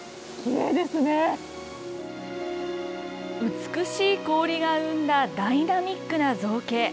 美しい氷が生んだダイナミックな造形。